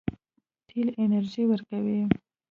تیل انرژي ورکوي.